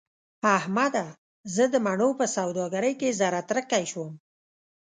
احمده! زه د مڼو په سوداګرۍ کې زهره ترکی شوم.